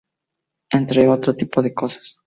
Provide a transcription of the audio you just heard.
Entre otro tipo de cosas